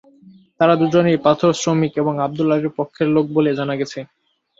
তাঁরা দুজনই পাথরশ্রমিক এবং আবদুল আলীর পক্ষের লোক বলে জানা গেছে।